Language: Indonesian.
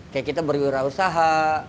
kayak kita beruraha usaha